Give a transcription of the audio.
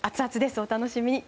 お楽しみに。